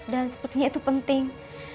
dan sepertinya itu penting